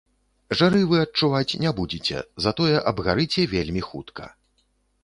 Жары вы адчуваць не будзеце, затое абгарыце вельмі хутка.